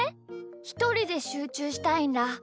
ひとりでしゅうちゅうしたいんだ。